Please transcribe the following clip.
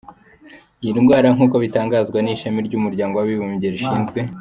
Iyi ndwara nk’uko bitangazwa n’Ishami ry’Umuryango w’Abibumbye rishinzwe.